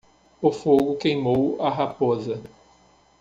O fogo queimou a raposa.